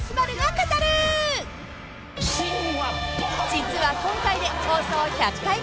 ［実は今回で放送１００回目！］